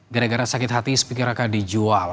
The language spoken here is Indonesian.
gara gara sakit hati sepikir akan dijual